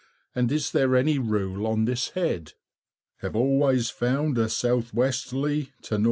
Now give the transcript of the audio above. and is there any rule on this head_? Have always found a S.W. to N.W.